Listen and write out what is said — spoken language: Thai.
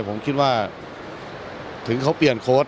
ผมคิดว่าถึงเขาเปลี่ยนโค้ด